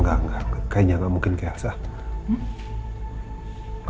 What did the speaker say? enggak kayaknya nggak mungkin keasaan